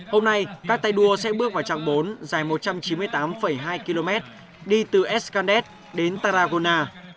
hôm nay các tay đua sẽ bước vào trạng bốn dài một trăm chín mươi tám hai km đi từ scand đến taragona